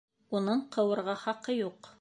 Уның ҡыуырға хаҡы юҡ.